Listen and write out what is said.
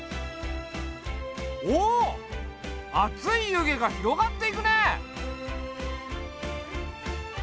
おっ熱い湯気が広がっていくね！